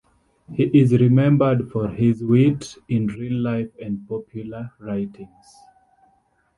He is remembered for his wit in real life and popular writings.